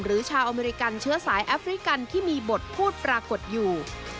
ชาวอเมริกันเชื้อสายแอฟริกันที่มีบทพูดปรากฏอยู่